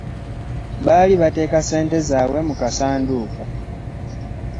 Baali bateeka ssente zabwe mukasandduke.